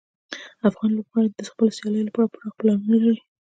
افغان لوبغاړي د خپلو سیالیو لپاره پراخ پلانونه لري.